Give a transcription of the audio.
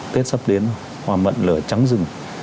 tết sắp đến hoa mận lở trắng rừng